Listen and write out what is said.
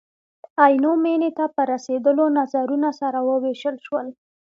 عینو مینې ته په رسېدلو نظرونه سره ووېشل شول.